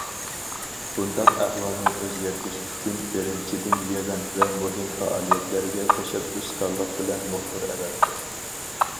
بۇنداق ئەھۋالنى ئۆزگەرتىش ئۈچۈن، بىرىنچىدىن، يىغىن ۋە مۇھىم پائالىيەتلەرگە تەشەببۇسكارلىق بىلەن مۇخبىر ئەۋەتتۇق.